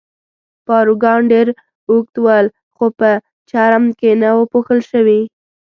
پاروګان ډېر اوږد ول، خو په چرم کې نه وو پوښل شوي.